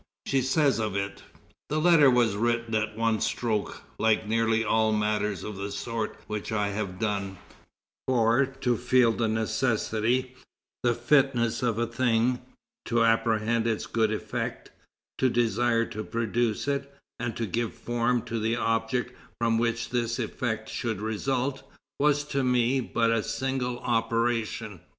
She says of it: "The letter was written at one stroke, like nearly all matters of the sort which I have done; for, to feel the necessity, the fitness of a thing, to apprehend its good effect, to desire to produce it, and to give form to the object from which this effect should result, was to me but a single operation."